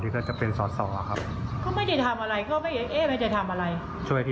ถูกพัฒนาเป็นสอจอพ่อให้สมัครสอจอง